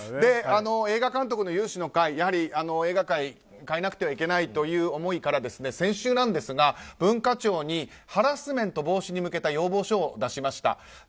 映画監督の有志の会、やはりやはり映画界、変えなくてはいけないという思いから先週なんですが、文化庁にハラスメント防止に向けた要望書を出しました。